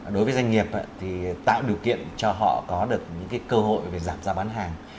đối với doanh nghiệp thì tạo điều kiện cho họ có được những cơ hội về giảm giá bán hàng